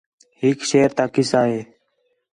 ہِک شیر تا قصہ ہِے